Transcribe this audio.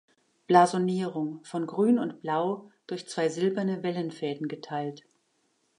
Blasonierung: „Von Grün und Blau durch zwei silberne Wellenfäden geteilt.